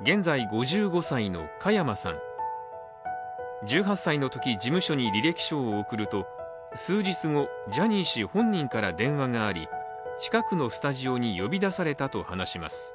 現在５５歳の加山さん、１８歳のとき事務所に履歴書を送ると、数日後ジャニー氏本人から電話があり、近くのスタジオに呼び出されたと話します。